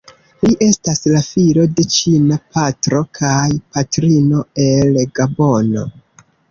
Li estas la filo de ĉina patro kaj patrino el Gabono.